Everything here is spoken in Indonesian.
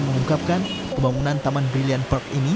mengungkapkan pembangunan taman brilliant park ini